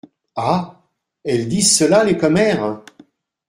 Ah ! elles disent cela, les commères ?